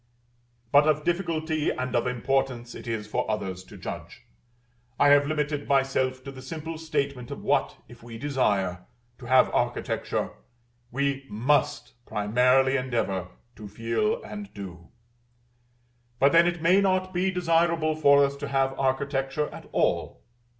But of difficulty and of importance it is for others to judge. I have limited myself to the simple statement of what, if we desire to have architecture, we MUST primarily endeavor to feel and do: but then it may not be desirable for us to have architecture at all.